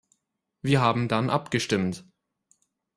Wir haben dann abgestimmt.